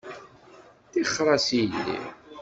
Tixer-as i yelli